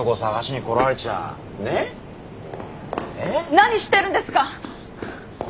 何してるんですか！